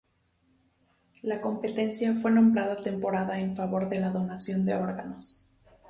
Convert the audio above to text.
La competencia fue nombrada Temporada en favor de la Donación de Órganos.